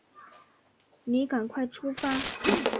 你赶快出发